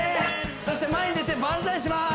そして前に出てバンザイします